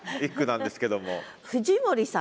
藤森さん。